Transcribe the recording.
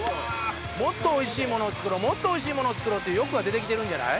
もっとおいしいものを作ろう、もっとおいしいものを作ろうって欲が出てきてるんじゃない？